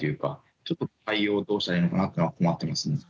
ちょっと対応どうしたらいいのかなっていうのは困ってますね。